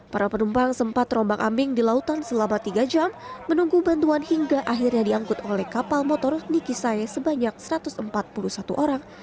para penumpang sempat terombang ambing di lautan selama tiga jam menunggu bantuan hingga akhirnya diangkut oleh kapal motor nikisae sebanyak satu ratus empat puluh satu orang